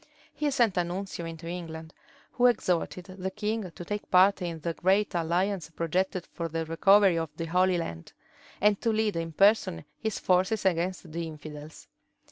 He sent a nuncio into England, who exhorted the king to take part in the great alliance projected for the recovery of the Holy Land, and to lead in person his forces against the infidels.